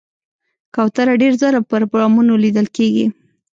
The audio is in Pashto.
کوتره ډېر ځله پر بامونو لیدل کېږي.